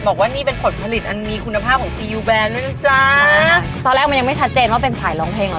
บอกว่านี่เป็นผลผลิตอันมีคุณภาพของซียูแนนด้วยนะจ๊ะตอนแรกมันยังไม่ชัดเจนว่าเป็นสายร้องเพลงเหรอ